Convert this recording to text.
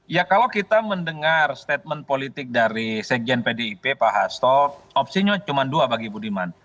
ya kalau kita mendengar statement politik dari sekjen pdip pak hasto opsinya cuma dua bagi budiman